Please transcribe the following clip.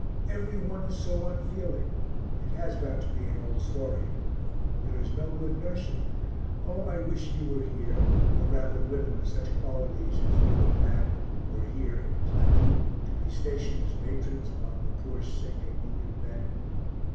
Every one is so unfeeling; it has got to be an old story. There is no good nursing. O I wish you were or rather women of such qualities as you and Mat were here in plenty, to be stationed as matrons among the poor sick and wounded men.